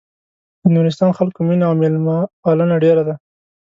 د نورستان خلکو مينه او مېلمه پالنه ډېره ده.